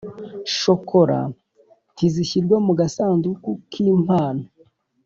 Shokola ntizishyirwa mu gasanduku k impano